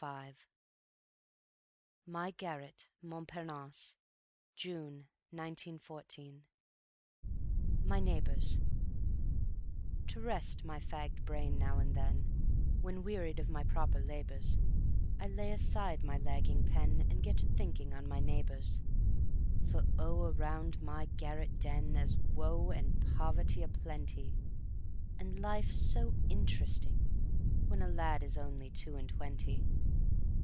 V My Garret, Montparnasse, June 1914. My Neighbors _To rest my fagged brain now and then, When wearied of my proper labors, I lay aside my lagging pen And get to thinking on my neighbors; For, oh, around my garret den There's woe and poverty a plenty, And life's so interesting when A lad is only two and twenty.